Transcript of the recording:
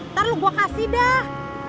ntar lu gue kasih dah